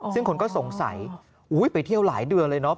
ซึ่งคนก็สงสัยไปเที่ยวหลายเดือนเลยเนาะ